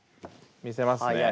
見せますね。